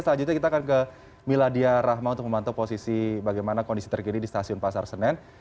selanjutnya kita akan ke miladia rahma untuk memantau posisi bagaimana kondisi terkini di stasiun pasar senen